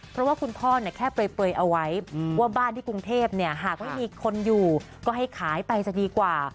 เพราะว่าคุณพ่อแค่เปลยเอาไว้ว่าบ้านที่กรุงเทพหากไม่มีคนอยู่ก็ให้ขายไปจะดีกว่า